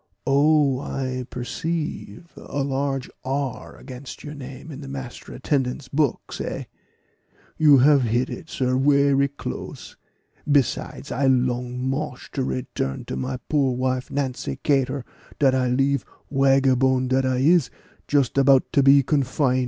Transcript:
"Oh, I perceive a large R against your name in the master attendant's books, eh?" "You have hit it, sir, werry close; besides, I long mosh to return to my poor wife, Nancy Cator, dat I leave, wagabone dat I is, just about to be confine."